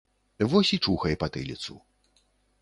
Вось і чухай патыліцу.